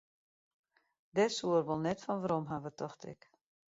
Dêr soe er wol net fan werom hawwe, tocht ik.